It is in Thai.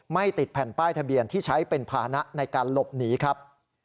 ติดแผ่นป้ายทะเบียนที่ใช้เป็นภานะในการหลบหนีครับ